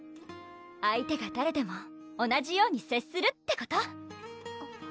相手が誰でも同じようにせっするってこと！